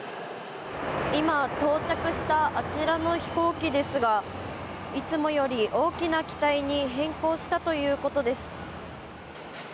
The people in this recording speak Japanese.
今、到着したあちらの飛行機ですがいつもより大きな機体に変更したということです。